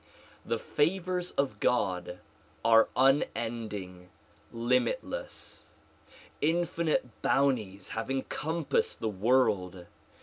The favors of God are unending, limitless. Infinite bounties have encompassed the world.